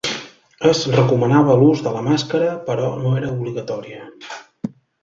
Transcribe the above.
Es recomanava l’ús de la màscara, però no era obligatòria.